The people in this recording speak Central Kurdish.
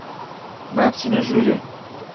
با بچینە ژوورێ.